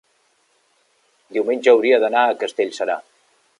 diumenge hauria d'anar a Castellserà.